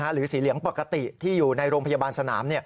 หรือสีเหลืองปกติที่อยู่ในโรงพยาบาลสนาม